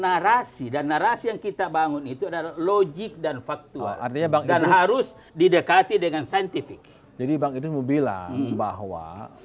narkasi dan narasi yang kita bangun itu adalah logik dan faktual artinya bang ilmu bilang bahwa